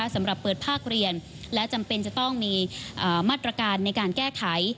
สำหรับเปิดภาคเรียนและจำเป็นจะต้องมีมาตรการในการแก้ไข